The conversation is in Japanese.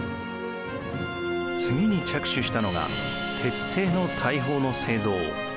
次に着手したのが鉄製の大砲の製造。